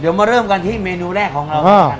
เดี๋ยวมาเริ่มกันที่เมนูแรกของเรา